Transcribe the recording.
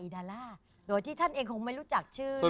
หรือที่ท่านเองคงไม่รู้จักชื่อหรอก